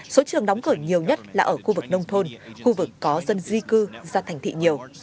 số trường đóng cửa nhiều nhất là ở khu vực nông thôn khu vực có dân di cư ra thành thị nhiều